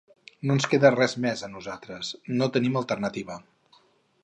No ens queda res més, a nosaltres. No tenim alternativa.